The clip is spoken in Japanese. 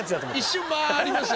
一瞬間ありましたけどね。